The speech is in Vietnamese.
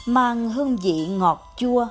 mang hương vị ngọt chua